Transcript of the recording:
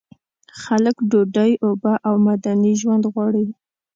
خلک ډوډۍ، اوبه او مدني ژوند غواړي.